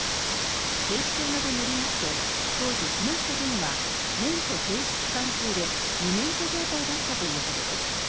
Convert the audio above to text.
警視庁などによりますと当時、木下都議は免許停止期間中で無免許状態だったということです。